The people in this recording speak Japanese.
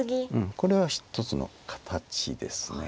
これは一つの形です。